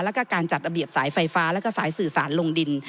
แล้วก็การจัดระเบียบสายไฟฟ้าแล้วก็สายสื่อสารลงดิน